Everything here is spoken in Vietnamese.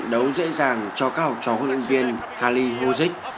trận đấu dễ dàng cho cao trò huấn luyện viên harley hosek